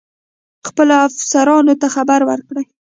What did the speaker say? خپلو افسرانو ته خبر ورکړی.